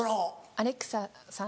アレクサさん